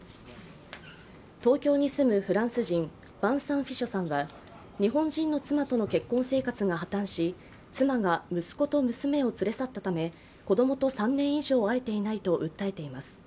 東京に住むフランス人ヴァンサン・フィショさんは日本人の妻との結婚生活が破綻し、妻が息子と娘を連れ去ったため子供と３年以上会えていないと訴えています。